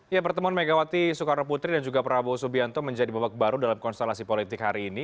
ya pertemuan megawati soekarno putri dan juga prabowo subianto menjadi babak baru dalam konstelasi politik hari ini